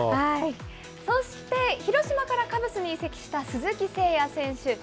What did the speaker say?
そして、広島からカブスに移籍した鈴木誠也選手。